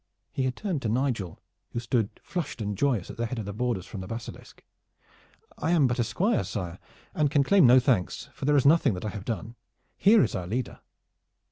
He had turned to Nigel, who stood flushed and joyous at the head of the boarders from the Basilisk. "I am but a Squire, sire, and can claim no thanks, for there is nothing that I have done. Here is our leader."